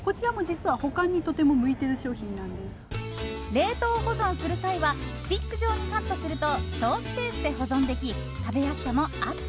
冷凍保存する際はスティック状にカットすると省スペースで保存でき食べやすさもアップ。